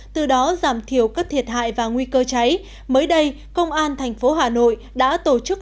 từ đó giảm thiểu các thiệt hại và nguy cơ cháy mới đây công an thành phố hà nội đã tổ chức